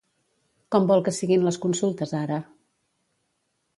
Com vol que siguin les consultes ara?